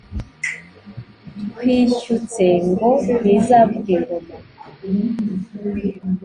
twishyutse ngo ntizavuga ingoma.